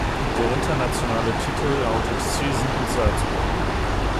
Der internationale Titel lautet "Season in Salzburg".